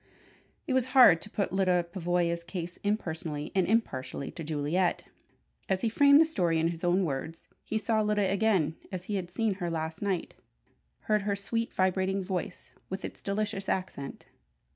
It was hard to put Lyda Pavoya's case impersonally and impartially to Juliet. As he framed the story in his own words, he saw Lyda again as he had seen her last night, heard her sweet, vibrating voice with its delicious accent.